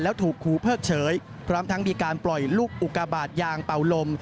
แล้วถูกครูเพิกเฉยพร้อมทั้งมีการปล่อยลูกอุกาบาทยางเป่าลม